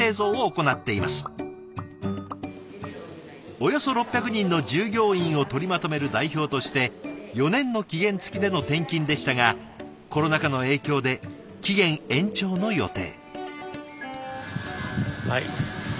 およそ６００人の従業員を取りまとめる代表として４年の期限付きでの転勤でしたがコロナ禍の影響で期限延長の予定。